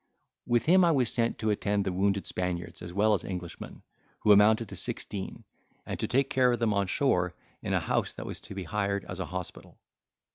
With him I was sent to attend the wounded Spaniards as well as Englishmen, who amounted to sixteen, and to take care of them on shore in a house that was to be hired as an hospital.